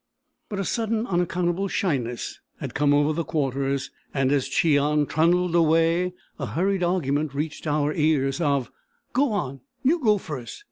But a sudden, unaccountable shyness had come over the Quarters, and as Cheon trundled away, a hurried argument reached our ears of "Go on! You go first!"